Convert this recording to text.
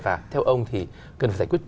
và theo ông thì cần phải giải quyết